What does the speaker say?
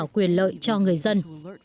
quyền lợi cho người dân